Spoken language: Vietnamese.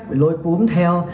bị lôi cuốn theo